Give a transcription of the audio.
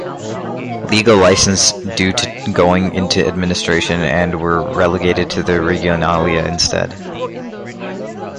Liga licence due to going into administration and were relegated to the Regionalliga instead.